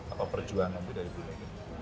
atau perjuangan itu dari bumega